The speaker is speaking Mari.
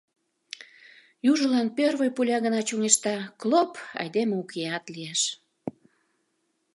Южылан пӧрвой пуля гына чоҥешта — клоп, айдеме укеат лиеш.